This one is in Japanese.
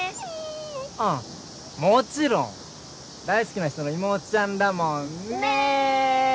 うんもちろん大好きな人の妹ちゃんだもんねね